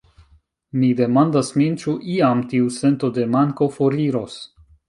Mi demandas min ĉu iam tiu sento de manko foriros.